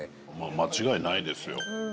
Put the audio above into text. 間違いないですよ。